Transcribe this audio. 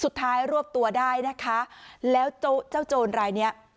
สุดท้ายรวบตัวได้นะคะแล้วเจ้าโจรรายเนี้ย